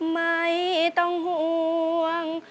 ไม่ต้องห่วง